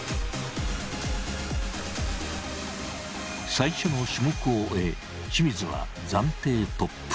最初の種目を終え清水は暫定トップ。